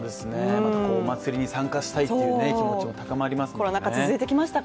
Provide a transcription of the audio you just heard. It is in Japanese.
お祭りに参加したいという気持ちも高まりますね。